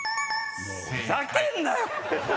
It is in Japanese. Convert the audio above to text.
ふざけんなよ！